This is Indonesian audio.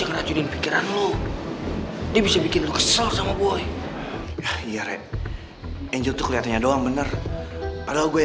jangan teropsisi banget dapetin boy